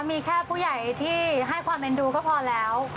มีแค่ผู้ใหญ่ที่ให้ความเป็นดูก็พอแล้ว